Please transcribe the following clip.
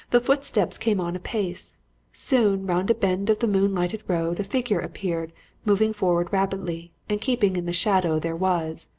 The footsteps came on apace. Soon round a bend of the moon lighted road a figure appeared moving forward rapidly and keeping in what shadow there was.